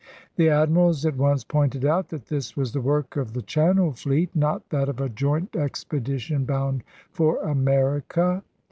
The admirals at once pointed out that this was the work of the Channel Fleet, not that of a joint expedition bound for America.